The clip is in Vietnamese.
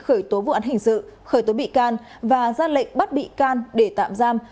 khởi tố vụ án hình sự khởi tố bị can và ra lệnh bắt bị can để tạm giam